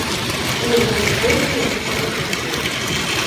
Ḥemmlen Yiqbayliyen tutlayt-nsen.